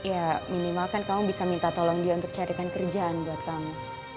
ya minimal kan kamu bisa minta tolong dia untuk carikan kerjaan buat kamu